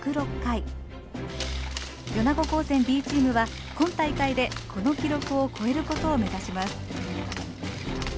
米子高専Ｂチームは今大会でこの記録を超えることを目指します。